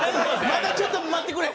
まだちょっと待ってくれ。